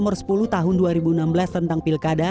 nomor sepuluh tahun dua ribu enam belas tentang pilkada